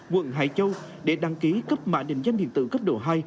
quận hải châu để đăng ký cấp mã định danh điện tử cấp độ hai